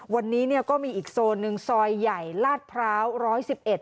วันนี้เนี่ยก็มีอีกโซนหนึ่งซอยใหญ่ลาดพร้าวร้อยสิบเอ็ด